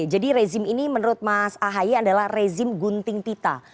jadi rezim ini menurut mas ahayu adalah rezim gunting pita